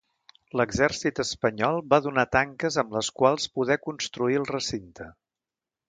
L'Exèrcit Espanyol va donar tanques amb les quals poder construir el recinte.